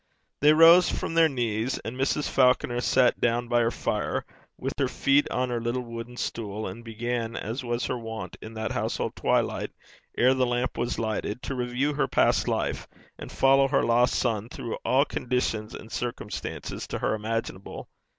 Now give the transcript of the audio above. They rose from their knees, and Mrs. Falconer sat down by her fire, with her feet on her little wooden stool, and began, as was her wont in that household twilight, ere the lamp was lighted, to review her past life, and follow her lost son through all conditions and circumstances to her imaginable.